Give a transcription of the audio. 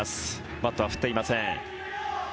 バットは振っていません。